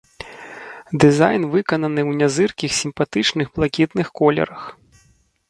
Дызайн выкананы ў нязыркіх сімпатычных блакітных колерах.